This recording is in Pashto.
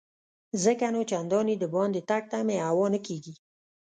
ځکه نو چنداني دباندې تګ ته مې هوا نه کیږي.